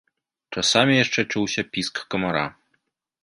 Часамі яшчэ чуўся піск камара.